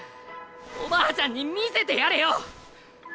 おばあちゃんに見せてやれよ。